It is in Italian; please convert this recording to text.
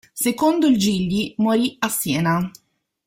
Secondo il Gigli morì a Siena.